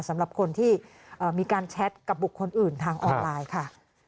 สำหรับคนที่มีการแชทกับบุคคลอื่นทางออนไลน์ค่ะ